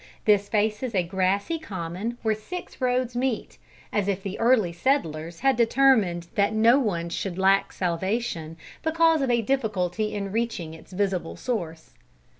This faces a grassy common where six roads meet, as if the early settlers had determined that no one should lack salvation because of a difficulty in reaching its visible source.